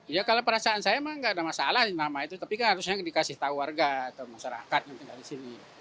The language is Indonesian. ya kalau perasaan saya memang nggak ada masalah nama itu tapi kan harusnya dikasih tahu warga atau masyarakat mungkin dari sini